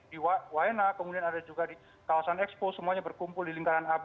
di waena kemudian ada juga di kawasan expo semuanya berkumpul di lingkaran ab